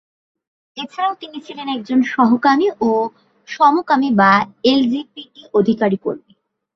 এছাড়াও তিনি ছিলেন একজন সমকামী ও সমকামী বা এলজিবিটি-অধিকার কর্মী।